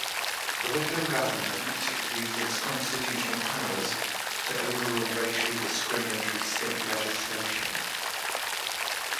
The Whitlam Government used its constitutional powers to overrule racially discriminatory State legislation.